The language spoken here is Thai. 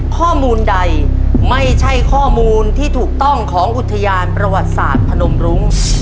ข้อมูลใดไม่ใช่ข้อมูลที่ถูกต้องของอุทยานประวัติศาสตร์พนมรุ้ง